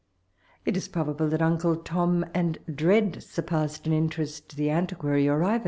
It is probable that Unde Tom and Ihed surpassed in interest the An tiquary or Ivcmhoe.